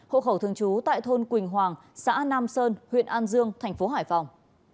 hộ khẩu thường trú tại thôn quỳnh hoàng xã nam sơn huyện an dương tp hải phòng